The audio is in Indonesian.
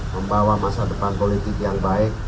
membawa masa depan politik yang baik